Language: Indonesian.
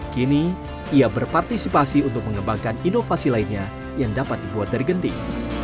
kini ia berpartisipasi untuk mengembangkan inovasi lainnya yang dapat dibuat dari genting